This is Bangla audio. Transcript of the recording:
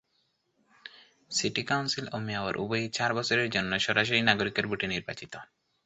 সিটি কাউন্সিল ও মেয়র উভয়ে চার বছরের জন্য সরাসরি নাগরিকের ভোটে নির্বাচিত হন।